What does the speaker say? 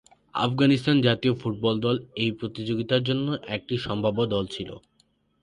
আফগানিস্তান জাতীয় ফুটবল দল এই প্রতিযোগিতার জন্য একটি সম্ভাব্য দল ছিল।